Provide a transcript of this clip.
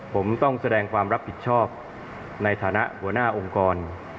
ผมต้องแสดงความรับผิดชอบในฐานะหัวหน้าองค์กร